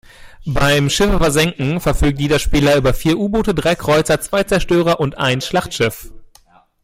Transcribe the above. Beim Schiffe versenken verfügt jeder Spieler über vier U-Boote, drei Kreuzer, zwei Zerstörer und ein Schlachtschiff.